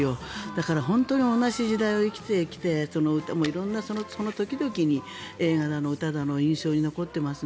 だから同じ時代を生きてきてその時々に映画だの歌だの印象に残っています。